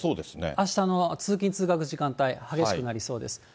あしたの通勤・通学時間帯、激しくなりそうです。